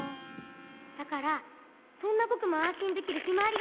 だからそんなぼくもあんしんできるひまわりがっきゅうにかよってる。